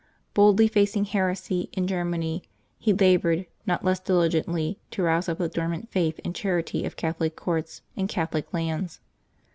Boldly facing heresy in Germany, he labored not less diligently to rouse up the dormant faith and charity of Catholic courts and Catholic lands.